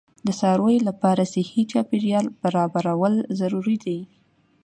د څارویو لپاره صحي چاپیریال برابرول ضروري دي.